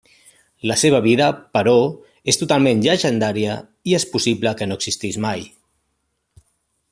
La seva vida, però, és totalment llegendària i és possible que no existís mai.